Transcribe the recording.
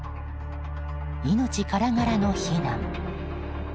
命からがらの避難。